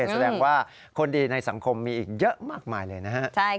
แสดงว่าคนดีในสังคมมีอีกเยอะมากมายเลยนะฮะ